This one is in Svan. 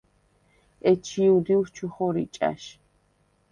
ეჩი̄ უდილს ჩუ ხორი ჭა̈შ.